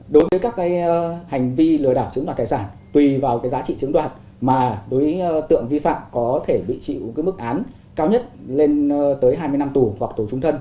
đối với các hành vi lừa đảo chiếm đoạt tài sản tùy vào giá trị chiếm đoạt mà đối tượng vi phạm có thể bị chịu mức án cao nhất lên tới hai mươi năm tù hoặc tù trung thân